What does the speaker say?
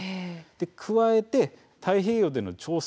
加えて太平洋での調査